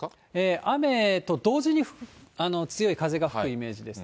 雨と同時に強い風が吹くイメージですね。